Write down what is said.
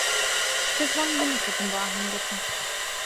کەس بانگی نەکردم بۆ ئاهەنگەکە.